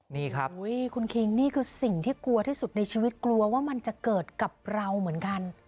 นี่ครับคุณคิงนี่คือสิ่งที่กลัวที่สุดในชีวิตกลัวว่ามันจะเกิดกับเราเหมือนกัน